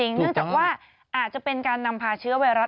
เนื่องจากว่าอาจจะเป็นการนำพาเชื้อไวรัส